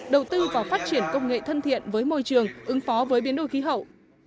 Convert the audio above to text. đầu tư vào phát triển công nghệ thân thiện với môi trường ứng phó với biến đổi khí hậu